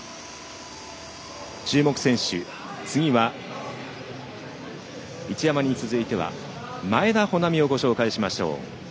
注目選手、一山に続いて前田穂南をご紹介しましょう。